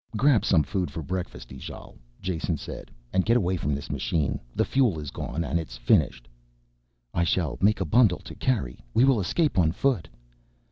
"Grab some food for breakfast, Ijale," Jason said, "and get away from this machine. The fuel is gone and it's finished." "I shall make a bundle to carry, we will escape on foot."